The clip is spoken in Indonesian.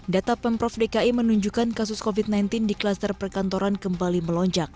data pemprov dki menunjukkan kasus covid sembilan belas di kluster perkantoran kembali melonjak